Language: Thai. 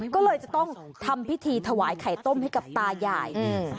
ก็เลยจะต้องทำพิธีถวายไข่ต้มให้กับตายายอืม